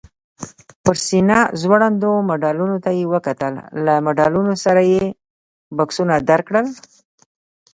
پر سینه ځوړندو مډالونو ته یې وکتل، له مډالونو سره یې بکسونه درکړل؟